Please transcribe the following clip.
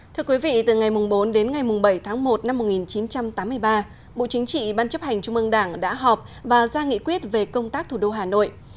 thưa quý vị từ ngày bốn đến ngày bảy tháng một năm một nghìn chín trăm tám mươi ba bộ chính trị ban chấp hành trung ương đảng đã họp và ra nghị quyết về công tác thủ đô hà nội